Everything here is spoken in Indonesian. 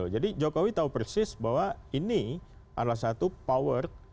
jadi jokowi tahu persis bahwa ini adalah satu power